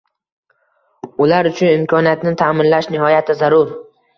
Ular uchun imkoniyatini taʼminlash nihoyatda zarur.